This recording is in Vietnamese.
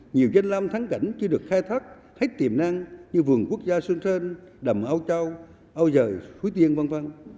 nhiều danh lam thắng cảnh chưa được khai thác hay tiềm năng như vườn quốc gia xuân sơn đầm áo châu áo giời hủy tiên v v